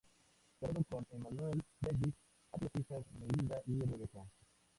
Casado con Emmanuelle Davis, han tenido dos hijas, Melinda y Rebecca.